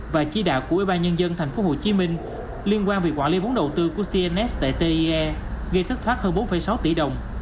và trí đạo của ubnd tp hcm liên quan về quản lý vốn đầu tư của cns tại tie gây thất thoát hơn bốn sáu tỷ đồng